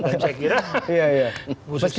saya kira bu susi